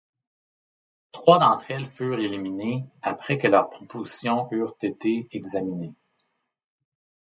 Trois d'entre elles furent éliminées après que leurs propositions eurent été examinées.